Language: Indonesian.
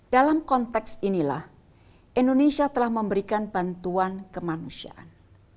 dalam konteks inilah indonesia telah memberikan bantuan kemanusiaan